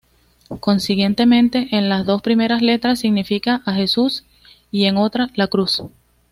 Consiguientemente, en las dos primeras letras significa a Jesús, y en otra, la cruz.